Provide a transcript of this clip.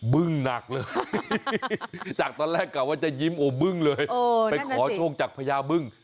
บึ้งหนักเลยจากตอนแรกกลับว่าจะยิ้มโอบึ้งเลยไปขอโชคจากพญาบึ้ง